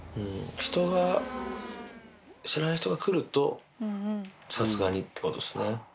人が、知らない人が来ると、さすがにってことですね。